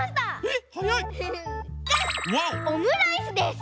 オムライスです！